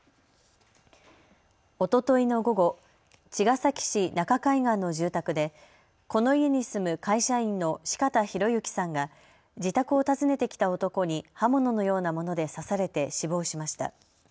おとといの午後、茅ヶ崎市中海岸の住宅でこの家に住む会社員の四方洋行さんが自宅を訪ねてきた男に刃物のようなもので刺されて死亡しました。